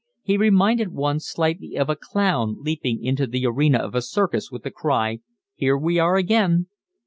He reminded one slightly of a clown leaping into the arena of a circus with the cry: Here we are again.